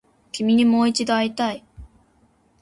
君にもう一度会いたい